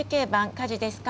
火事ですか？